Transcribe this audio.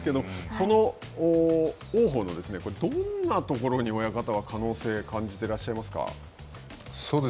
その王鵬のどんなところに親方は可能性を感じていらっしゃいます